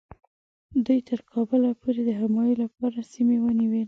دوی تر کابله پورې د همایون لپاره سیمې ونیولې.